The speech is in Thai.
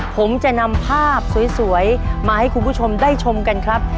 ผมจะนำภาพสวยมาให้คุณผู้ชมได้ชมกันครับ